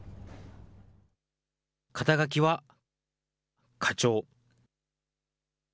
肩書は課長。